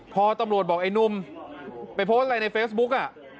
พอตำรวจบอกไอ้นุ่มไปโพสต์อะไรในเฟซบุ๊ก